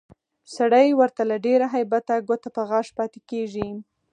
سړی ورته له ډېره هیبته ګوته په غاښ پاتې کېږي